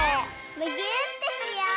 むぎゅーってしよう！